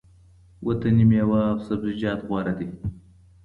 وطني مېوه او سبزیجات غوره دي.